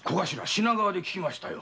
品川で聞きましたよ。